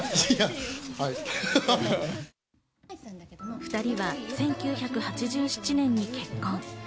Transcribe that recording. ２人は１９８７年に結婚。